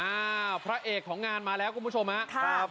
พระเอกของงานมาแล้วคุณผู้ชมครับ